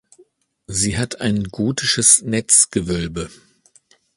Sie hat ein gotisches Netzgewölbe.